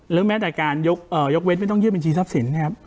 และแม้แต่การยกเวทย์ไม่ต้องยืนบัญชีทราบศีลนะครับ